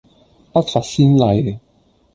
不乏先例